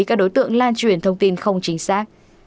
các đối tượng lan truyền thông tin không chính xác